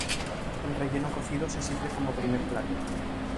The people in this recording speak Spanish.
El relleno cocido se sirve como primer plato.